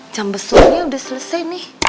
jam besuangnya udah selesai nih